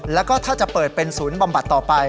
แล้วก็ถ้าจะเปิดเป็นศูนย์บำบัดต่อไป